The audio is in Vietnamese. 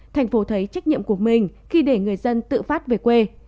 thành phố thấy trách nhiệm của mình khi để người dân tự phát về quê